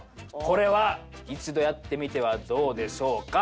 これは一度やってみてはどうでしょうか？